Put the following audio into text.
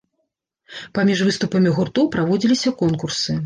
Паміж выступамі гуртоў праводзіліся конкурсы.